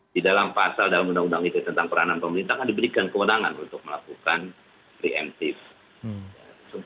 di dalam pasal dalam undang undang itu tentang peranan pemerintah kan diberikan kewenangan untuk melakukan preemptive